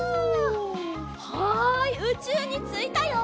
はいうちゅうについたよ！